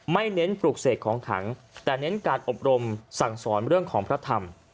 เน้นปลูกเสกของขังแต่เน้นการอบรมสั่งสอนเรื่องของพระธรรม